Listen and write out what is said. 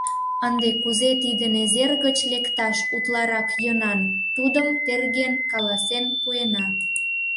Ынде кузе тиде незер гыч лекташ утларак йӧнан, тудым терген, каласен пуэна.